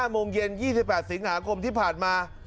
โมงเย็น๒๘สิงหาคมที่ผ่านมา